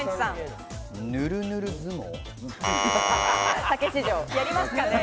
ぬるぬる相撲。